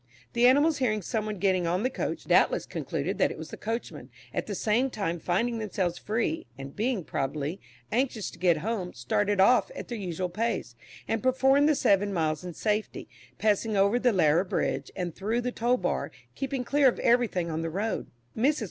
The animals hearing some one getting on the coach, doubtless concluded that it was the coachman; at the same time finding themselves free, and being, probably, anxious to get home, started off at their usual pace, and performed the seven miles in safety, passing over the Laira Bridge and through the toll bar, keeping clear of everything on the road. Mrs.